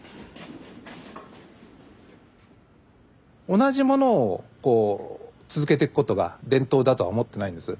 同じものを続けていくことが伝統だとは思ってないんです。